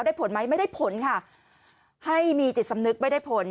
ผลไหมไม่ได้ผลค่ะให้มีจิตสำนึกไม่ได้ผล